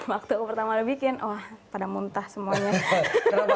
waktu aku pertama udah bikin wah pada muntah semuanya